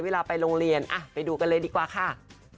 เวลาไปโรงเรียนไปดูกันเลยดีกว่าค่ะ